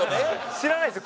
知らないんですよ。